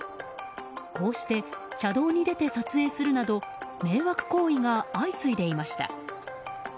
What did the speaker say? こうして車道に出て撮影するなど迷惑行為が相次いでいました。